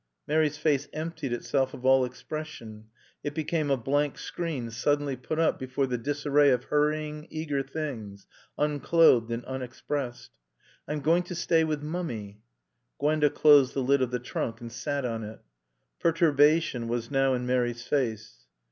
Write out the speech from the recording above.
Mary's face emptied itself of all expression; it became a blank screen suddenly put up before the disarray of hurrying, eager things, unclothed and unexpressed. "I'm going to stay with Mummy." Gwenda closed the lid of the trunk and sat on it. (Perturbation was now in Mary's face.)